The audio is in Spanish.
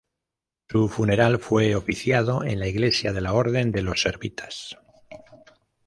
Su funeral fue oficiado en la iglesia de la Orden de los Servitas.